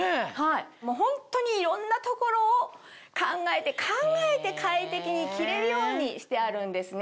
ホントにいろんな所を考えて考えて快適に着れるようにしてあるんですね。